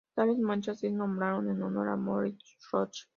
Tales manchas es nombraron en honor de Moritz Roth.